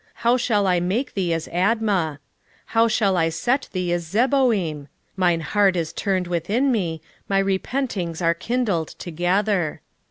how shall I make thee as Admah? how shall I set thee as Zeboim? mine heart is turned within me, my repentings are kindled together.